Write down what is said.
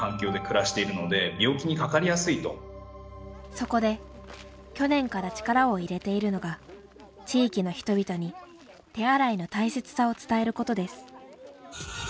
そこで去年から力を入れているのが地域の人々に手洗いの大切さを伝えることです。